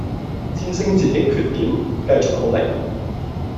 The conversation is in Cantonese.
戰勝自己缺點，繼續努力